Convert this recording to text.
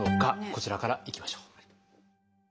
こちらからいきましょう。